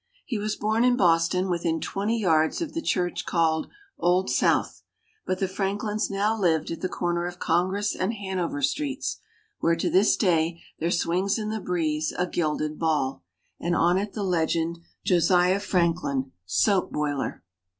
He was born in Boston within twenty yards of the church called "Old South," but the Franklins now lived at the corner of Congress and Hanover Streets, where to this day there swings in the breeze a gilded ball, and on it the legend, "Josiah Franklin, Soap Boiler."